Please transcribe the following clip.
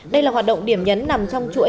đây là hoạt động điểm nhấn nằm trong chuỗi